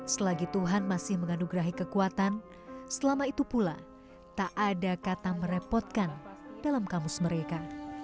selagi tuhan masih menganugerahi kekuatan selama itu pula tak ada kata merepotkan dalam kamus mereka